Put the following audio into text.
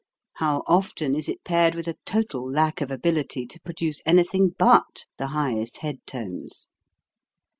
How often is it paired with a total lack of ability to produce anything but the highest head tones